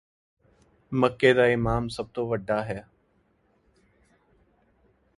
ਮੱਕੇ ਦਾ ਇਮਾਮ ਸਭ ਤੋਂ ਵੱਡਾ ਹੈ